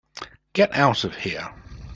Get out of here.